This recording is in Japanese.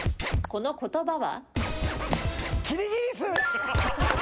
この言葉は？